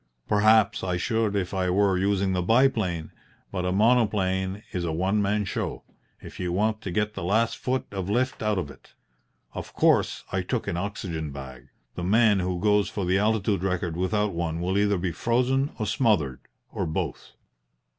Perhaps I should if I were using the biplane, but a monoplane is a one man show if you want to get the last foot of lift out of it. Of course, I took an oxygen bag; the man who goes for the altitude record without one will either be frozen or smothered or both.